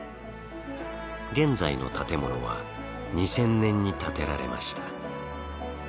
現在の建物は２０００年に建てられました。